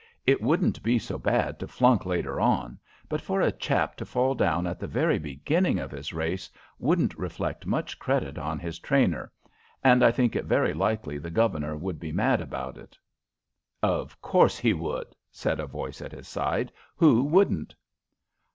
"It wouldn't be so bad to flunk later on, but for a chap to fall down at the very beginning of his race wouldn't reflect much credit on his trainer, and I think it very likely the governor would be mad about it." "Of course he would!" said a voice at his side. "Who wouldn't?"